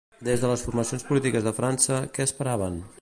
Des de les formacions polítiques de França, què esperaven?